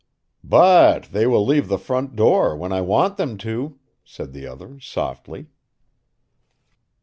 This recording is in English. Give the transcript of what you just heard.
"But they will leave the front door when I want them to," said the other, softly.